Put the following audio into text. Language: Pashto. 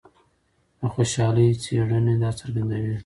د خوشحالۍ څېړنې دا څرګندوي.